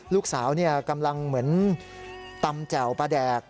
ลูกสาวกำลังเหมือนตำแจ่วปลาแดก